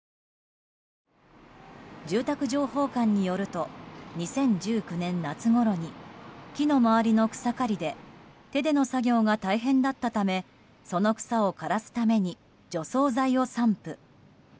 住宅情報館によると２０１９年夏ごろに木の周りの草刈りで手での作業が大変だったためその草を枯らすために除草剤を散布。